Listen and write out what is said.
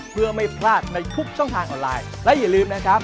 เพื่อไม่พลาดในทุกช่องทางออนไลน์และอย่าลืมนะครับ